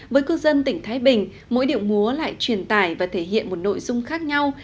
với cư dân tỉnh thái bình mỗi điệu múa lại truyền tải và thể hiện một nội dung khác nhau